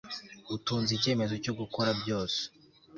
utunze icyemezo cyo gukora byose